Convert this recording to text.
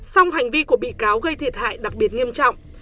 xong hành vi của bị cáo gây thiệt hại đặc biệt nghiêm trọng